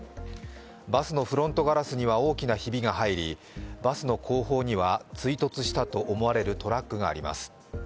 バスのフロントガラスには大きなひびが入り、バスの後方には、追突したと思われるトラックがあります。